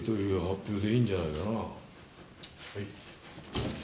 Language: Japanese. はい。